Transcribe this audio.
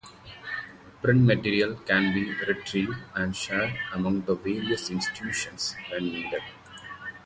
Print material can be retrieved and shared among the various institutions when needed.